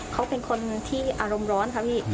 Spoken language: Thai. เขาเป็นคนที่อารมณ์ร้อนค่ะพี่